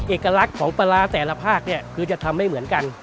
เอกลักษณ์ของปลาร้าแต่ละภาคเนี่ยคือจะทำไม่เหมือนกัน